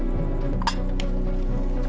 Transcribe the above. bayi saya perbaiki